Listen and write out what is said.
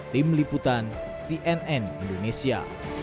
tim liputan cnn indonesia